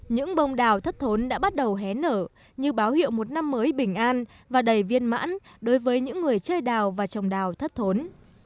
những bông đào thất thốn đã bắt đầu hé nở như báo hiệu một năm mới bình an và đầy viên mãn đối với những người chơi đào và trồng đào thất thốn